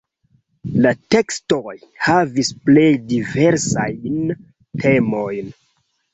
La tekstoj havis plej diversajn temojn.